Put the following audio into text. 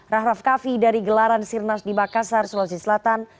rahraf kafi dari gelaran sirnas di bakasar sulawesi selatan